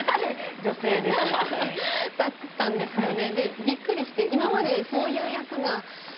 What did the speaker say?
だったんですよね。